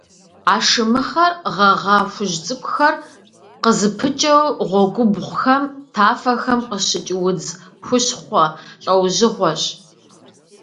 Ашэмыхъэр гъэгъа хужь цӏыкӏухэр къызыпыкӏэу гъуэгубгъухэм, тафэхэм къыщыкӏ удз хущхъуэ лӏэужьыгъуэщ.